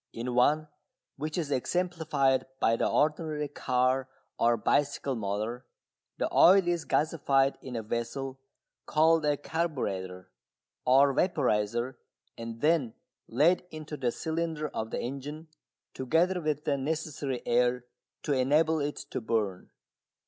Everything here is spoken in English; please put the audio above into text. In one, which is exemplified by the ordinary car or bicycle motor, the oil is gasified in a vessel called a carburetter or vaporiser and then led into the cylinder of the engine, together with the necessary air to enable it to burn.